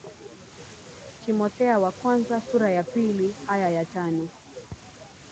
timotheo wa kwanza sura ya pili aya ya tano